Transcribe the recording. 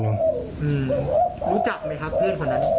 รู้จักไหมครับเพื่อนคนนั้น